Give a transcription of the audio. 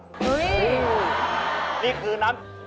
นี่คือน้ำ